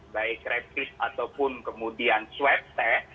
baik rapid ataupun kemudian swab test